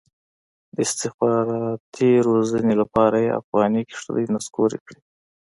د استخباراتي روزۍ لپاره یې افغاني کېږدۍ نسکورې کړي.